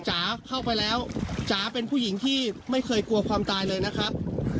จ๋าเข้าไปแล้วจ๋าเป็นผู้หญิงที่ไม่เคยกลัวความตายเลยนะครับ